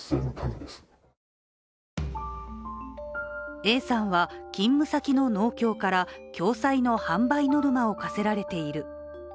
Ａさんは勤務先の農協から共済の販売ノルマを課せられている。